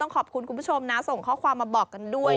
ขอบคุณคุณผู้ชมนะส่งข้อความมาบอกกันด้วย